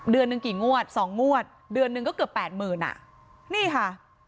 เดือนนึงกี่งวด๒งวดเดือนนึงก็เกือบ๘๐๐๐๐นี่ค่ะ